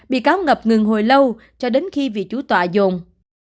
bị cáo ngập ngừng hồi lâu cho đến khi vị chú tọa dồn